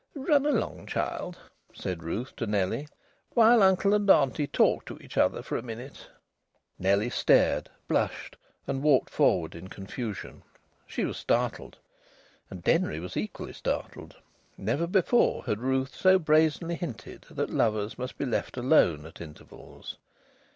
"Run along, child," said Ruth to Nellie, "while uncle and auntie talk to each other for a minute." Nellie stared, blushed, and walked forward in confusion. She was startled. And Denry was equally startled. Never before had Ruth so brazenly hinted that lovers must be left alone at intervals.